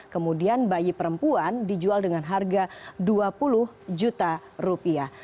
kemudian bayi perempuan dijual dengan harga dua puluh juta rupiah